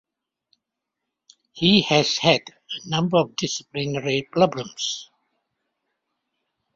He has had a number of disciplinary problems.